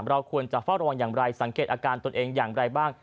เราควรจะเฝ้าระวังอย่างไรสังเกตอาการตนเองอย่างไรบ้าง